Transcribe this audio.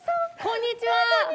こんにちは。